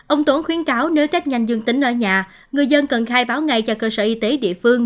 ông tốn khuyến cáo nếu test nhanh dương tính ở nhà người dân cần khai báo ngay cho cơ sở y tế địa phương